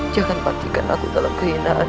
jangan pastikan aku dalam kehinaan